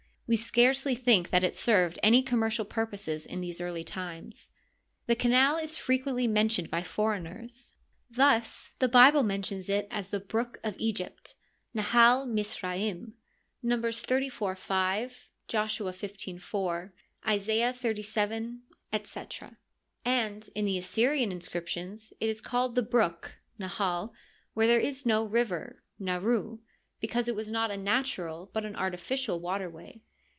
We scarcely think that it served any commercial purposes in these early times. The canal is frequently mentioned by foreigners. Thus, the Bi ble mentions it as the " Brook of Egypt " {Nahal Mtz rdim). Numbers xxxiv, 5 ; Joshua xv, 4 ; Isaiah xxvii, etc.; and in the Assyrian inscriptions it is called ''the brook {Nahal) where there is no river {Ndru),* because it was not a natural but an artificial water way.